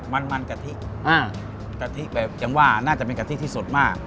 มันมันกะทิอ่ากะทิแบบยังว่าน่าจะเป็นกะทิที่สุดมาก